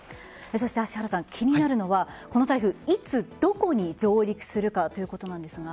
芦原さん気になるのはこの台風いつ、どこに上陸するかということなんですが。